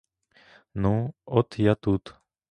Ну, от я тут.